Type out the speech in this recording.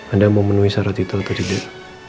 anda mau menuhi syarat itu atau tidak